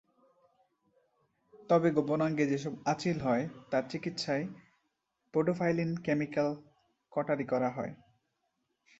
তবে গোপনাঙ্গে যেসব আঁচিল হয়, তার চিকিৎসায় পোডোফাইলিন কেমিক্যাল কটারি করা হয়।